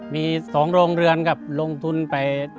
มี๒โรงเรือนครับลงทุนไป